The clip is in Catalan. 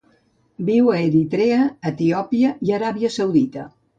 Viu a Eritrea, Etiòpia i Aràbia Saudita.